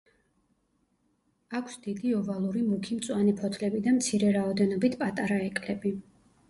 აქვს დიდი, ოვალური მუქი მწვანე ფოთლები და მცირე რაოდენობით პატარა ეკლები.